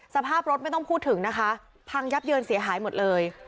สภาพรถไม่ต้องพูดถึงนะคะพังยับเยินเสียหายหมดเลย